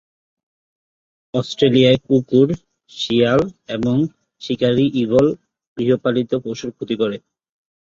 অস্ট্রেলিয়ায় কুকুর, শিয়াল এবং শিকারি ঈগল গৃহপালিত পশুর ক্ষতি করে।